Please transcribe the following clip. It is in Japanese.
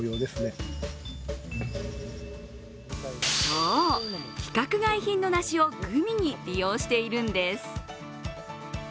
そう、規格外品の梨をグミに利用しているんです。